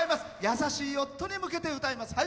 優しい夫に向けて歌います。